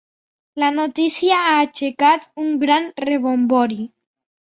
La notícia ha aixecat un gran rebombori.